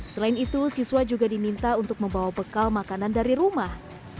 selain itu siswa juga diminta untuk membawa bekal makanan dari rumah